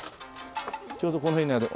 ちょうどこの辺にある。